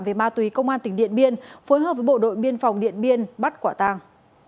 về ma túy công an tỉnh điện biên phối hợp với bộ đội biên phòng điện biên bắt quả tàng